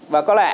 và có lẽ